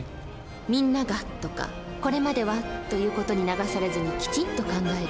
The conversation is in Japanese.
「みんなが」とか「これまでは」という事に流されずにきちんと考える。